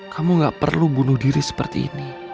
kamu gak perlu bunuh diri seperti ini